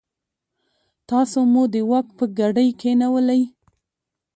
تاسو مو د واک په ګدۍ کېنولئ.